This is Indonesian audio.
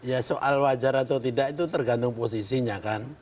ya soal wajar atau tidak itu tergantung posisinya kan